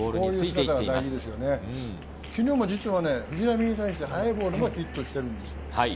昨日も実は藤浪に対して速いボールもヒットしているんですよ。